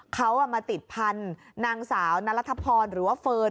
เขามาติดพันธุ์นางสาวนรัฐพรหรือว่าเฟิร์น